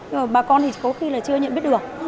nhưng mà bà con thì có khi là chưa nhận biết được